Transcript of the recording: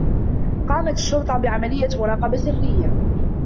قامت الشّرطة بعمليّة مراقبة سرّيّة.